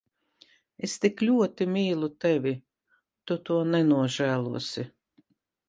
Es tik ļoti mīlu tevi. Tu to nenožēlosi.